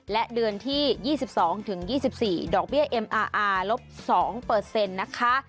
และเดือนที่๒๒๒๔ดอกเบี้ยเอ็มอาร์ลบ๒นะคะ